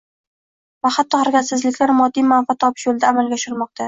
va hatto harakatsizliklar moddiy manfaat topish yo‘lida amalga oshirilmoqda.